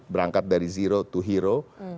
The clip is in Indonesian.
berangkat dari zero to hero